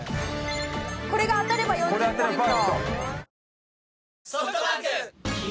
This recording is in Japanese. これが当たれば４０ポイント。